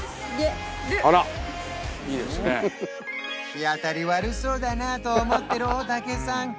日当たり悪そうだなと思ってる大竹さん